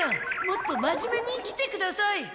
もっと真面目に生きてください！